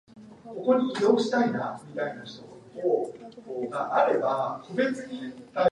大学四年生なり、就職活動が大変だ